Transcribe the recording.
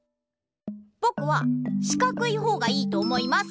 ぼくはしかくいほうがいいと思います。